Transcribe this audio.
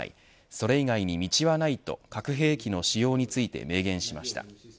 それ以外に道はないと核兵器の使用について明言しました。